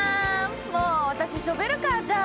もう私ショベルカーじゃん！